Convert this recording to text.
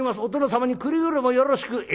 お殿様にくれぐれもよろしく。